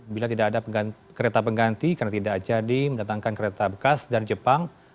bila tidak ada kereta pengganti karena tidak jadi mendatangkan kereta bekas dari jepang